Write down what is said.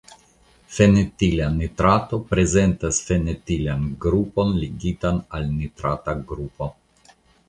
Fenetila nitrato prezentas fenetilan grupon ligitan al nitrata grupo.